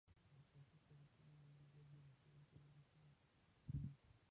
د اساسي سرکونو موجودیت د محصولاتو لګښت را ټیټوي